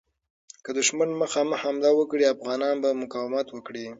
که دښمن مخامخ حمله وکړي، افغانان به مقاومت وکړي.